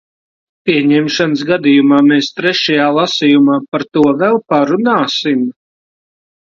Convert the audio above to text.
Pieņemšanas gadījumā mēs trešajā lasījumā par to vēl parunāsim.